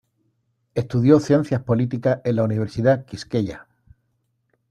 Estudió ciencias políticas en la Universidad Quisqueya.